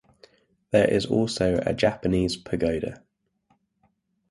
There is also a Japanese pagoda.